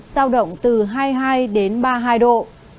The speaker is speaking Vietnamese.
giao động từ hai mươi hai đến ba mươi hai độ